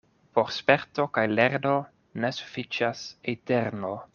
Por sperto kaj lerno ne sufiĉas eterno.